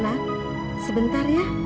anak anak sebentar ya